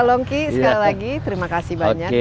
longki sekali lagi terima kasih banyak